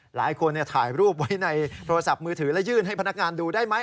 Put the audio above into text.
หลายคนถ่ายรูปไว้ในโทรศัพท์มือถือและยื่นให้พนักงานดูได้ไหม